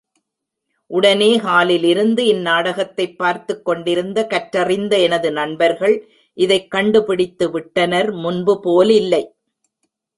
உடனே ஹாலிலிருந்து இந் நாடகத்தைப் பார்த்துக் கொண்டிருந்த கற்றறிந்த எனது நண்பர்கள் இதைக் கண்டுபிடித்து விட்டனர் முன்புபோலில்லை!